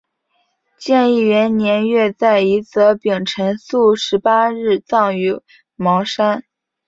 建义元年月在夷则丙辰朔十八日葬于邙山。